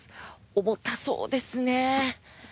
重たそうですね。